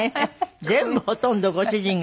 全部ほとんどご主人が。